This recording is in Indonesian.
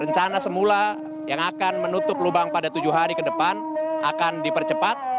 rencana semula yang akan menutup lubang pada tujuh hari ke depan akan dipercepat